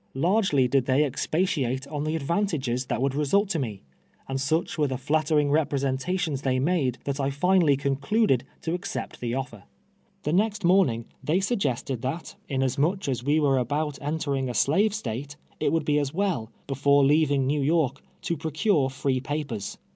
Largely did tliey expatiate on the advantages that would result to me, and such wore the flattering representations they made, that I finally concluded to accej^t the offer. Tlic next morning they suggested that, inasmuch as we were about entering a slave State, it would be well, before leaving Xew York, to procure free pa pers.